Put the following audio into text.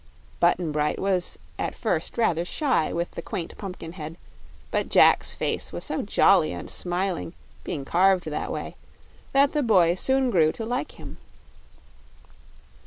Button Bright was at first rather shy with the quaint Pumpkinhead, but Jack's face was so jolly and smiling being carved that way that the boy soon grew to like him.